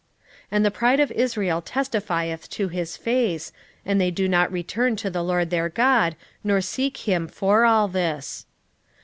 7:10 And the pride of Israel testifieth to his face: and they do not return to the LORD their God, nor seek him for all this.